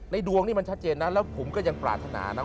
ดวงนี่มันชัดเจนนะแล้วผมก็ยังปรารถนานะ